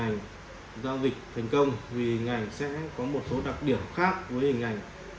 vì hình ảnh sẽ có một số đặc điểm khác với hình ảnh